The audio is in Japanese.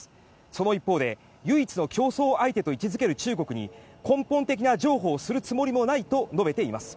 その一方で、唯一の競争相手と位置付ける中国に根本的な譲歩をするつもりもないと述べています。